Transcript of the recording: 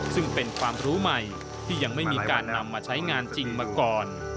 ซึ่งเป็นความรู้ใหม่ที่ยังไม่มีการนำมาใช้งานจริงมาก่อน